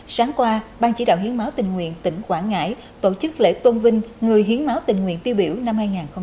sáng qua ban chỉ đạo hiến máu tình nguyện tỉnh quảng ngãi tổ chức lễ tôn vinh người hiến máu tình nguyện tiêu biểu năm hai nghìn hai mươi